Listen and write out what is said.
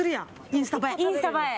インスタ映え。